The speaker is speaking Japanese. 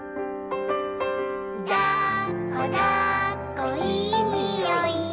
「だっこだっこいいにおい」